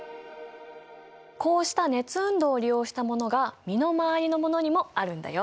こうした熱運動を利用したものが身の回りのものにもあるんだよ。